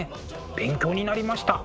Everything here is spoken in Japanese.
勉強になりました。